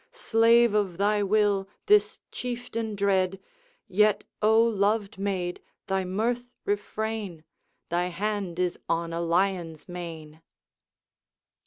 Slave of thy will, this chieftain dread, Yet, O loved maid, thy mirth refrain! Thy hand is on a lion's mane.'